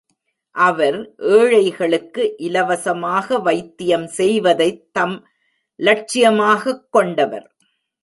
அவர் ஏழைகளுக்கு இலவசமாக வைத்தியம் செய்வதைத் தம் லட்சியமாகக் கொண்டவர்.